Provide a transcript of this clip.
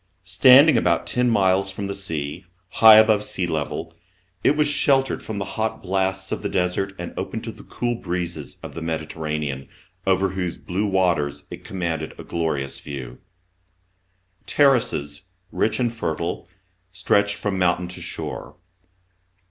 Standing about ten miles from the sea, high above sea level, it was sheltered from the hot blasts of the desert and open to the cool breezes of the Medi terranean, over whose blue waters it commanded a glorious view. Terraces rich and fertile. stretched from mountain to shore.